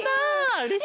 うれしい！